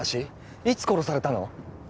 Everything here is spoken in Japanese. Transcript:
いつ殺されたの？